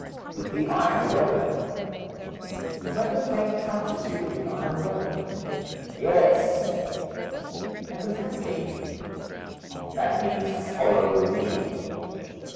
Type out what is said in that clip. "With the iron weapon." "The wapentake touches you with the iron weapon?" "Yes." "What does that mean?" "That means, follow me."